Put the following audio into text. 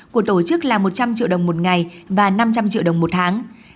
của tổ chức là một trăm linh triệu đồng một ngày và năm trăm linh triệu đồng một tháng